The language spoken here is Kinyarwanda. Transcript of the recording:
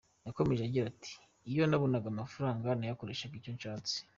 Yakomeje agira ati "Iyo nabonaga amafaranga nayakoreshaga icyo nshatse.